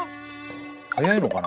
早いのかな？